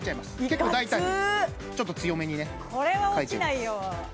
結構大胆にちょっと強めにね書いちゃいます